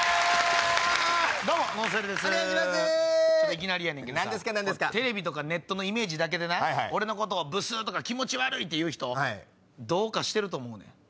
いきなりやねんけどテレビとかネットのイメージだけで俺のことをブスとか気持ち悪いっていう人どうかしてると思うねん。